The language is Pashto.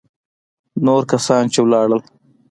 نور کسان چې ولاړل.